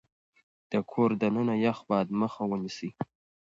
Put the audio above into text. د کور دننه يخ باد مخه ونيسئ.